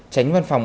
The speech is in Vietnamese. tránh văn phòng